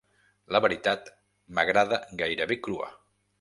La veritat m'agrada gairebé crua.